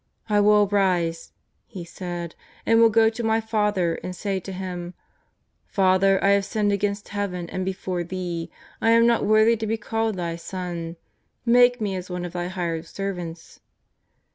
'^ I will arise," he said, " and will go to my father and say to him : Father, I have sinned against Hea ven and before thee : I am not now worthv to be called thy son, make me as one of thy hired servants."